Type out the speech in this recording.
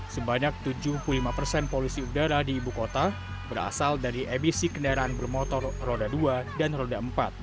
sebanyak tujuh puluh lima persen polusi udara di ibu kota berasal dari emisi kendaraan bermotor roda dua dan roda empat